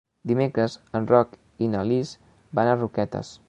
Dimecres en Roc i na Lis van a Roquetes.